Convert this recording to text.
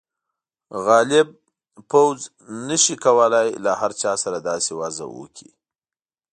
غالب پوځ نه شي کولای له هر چا سره داسې وضعه وکړي.